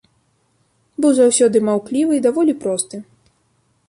Быў заўсёды маўклівы і даволі просты.